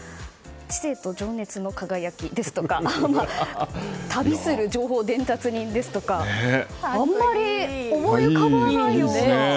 知性と情熱の輝きですとか旅する情報伝達人ですとかあんまり思い浮かばないような。